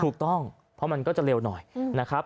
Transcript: ถูกต้องเพราะมันก็จะเร็วหน่อยนะครับ